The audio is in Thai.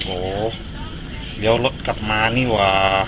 โอ้โหเดี๋ยวรถกลับมานี่ว่า